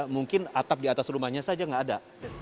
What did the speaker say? mungkin atap di atas rumahnya saja nggak ada